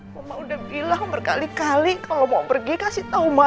mama udah bilang berkali kali kalau mau pergi kasih tau mama